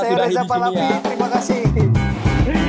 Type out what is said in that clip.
saya reza pallavi terimakasih